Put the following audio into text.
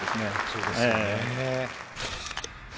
そうですね。